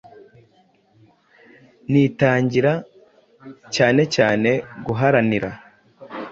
nitangira cyanecyane guharanira